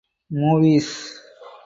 Movies!